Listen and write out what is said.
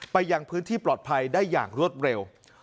ยังพื้นที่ปลอดภัยได้อย่างรวดเร็ว